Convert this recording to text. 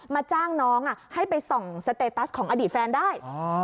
จ้างน้องให้ไปส่องสเตตัสของอดีตแฟนได้